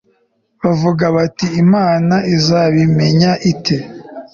bavuga bati imana izabimenya ite